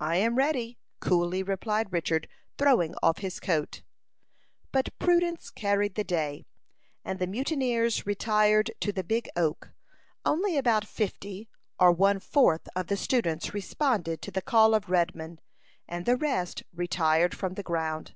"I am ready," coolly replied Richard, throwing off his coat. But prudence carried the day, and the mutineers retired to the big oak. Only about fifty, or one fourth of the students, responded to the call of Redman, and the rest retired from the ground.